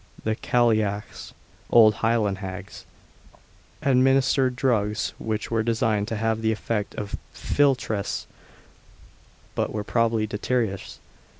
The cailliachs (old Highland hags) administered drugs, which were designed to have the effect of philtres, but were probably deleterious.